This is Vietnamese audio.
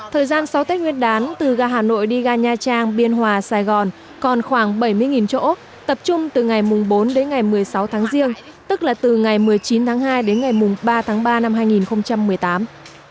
thời gian sáu tết nguyên đán từ ga hà nội đi ga nha trang biên hòa sài gòn còn khoảng bảy mươi chỗ tập trung từ ngày bốn đến ngày một mươi sáu tháng riêng tức là từ ngày một mươi chín tháng hai đến ngày ba tháng ba năm hai nghìn một mươi tám